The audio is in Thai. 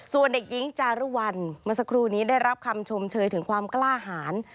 ส่วนเด็กหญิงจารุวัลเมื่อสักครู่นี้ได้รับคำชมเชยถึงความกล้าหาร